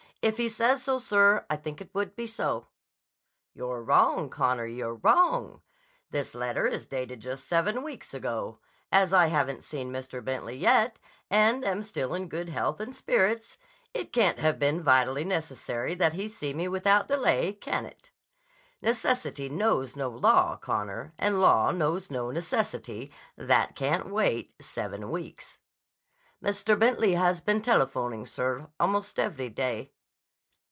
"If he says so, sir, I think it would be so." "You're wrong, Connor; you're wrong! This letter is dated just seven weeks ago. As I haven't seen Mr. Bentley yet, and am still in good health and spirits, it can't have been vitally necessary that he see me without delay, can it? Necessity knows no law, Connor, and law knows no necessity that can't wait seven weeks." "Mr. Bentley has been telephoning, sir, almost every day."